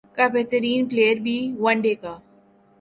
کا بہترین پلئیر بھی ون ڈے کا